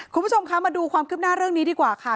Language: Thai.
คุณผู้ชมคะมาดูความคืบหน้าเรื่องนี้ดีกว่าค่ะ